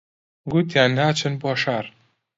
گوتیان ناچن بۆ شار